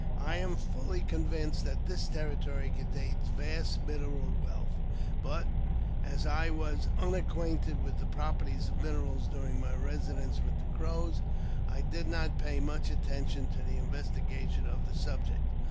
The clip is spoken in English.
I am fully convinced that this territory contains vast mineral wealth ; but, as I was unacquainted with the proper ties of minerals during my residence with the Crows, I did not pay much attention to the investigation of the subject.